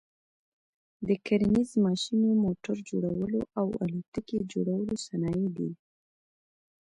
د کرنیز ماشینو، موټر جوړلو او الوتکي جوړلو صنایع دي.